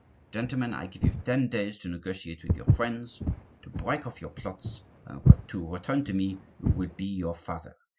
Gentlemen, I give you ten days to negotiate with your friends, to break off your plots, and to return to me who will be your father.